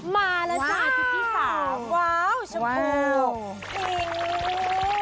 มาแล้วจ้าว้าวชมพู